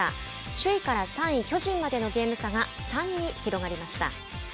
首位から３位巨人までのゲーム差が３に広がりました。